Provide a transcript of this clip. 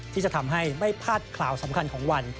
ที่จะทำให้ไม่พลาดข่าวสำคัญของวัน